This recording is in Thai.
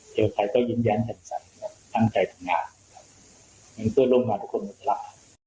เทวไทยก็ยืนย้านแสดงใจทำงานครับทั้งเวลามาทุกคนรับ